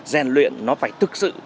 giàn luyện nó phải thực sự